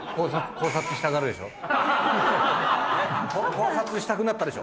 考察したくなったでしょ？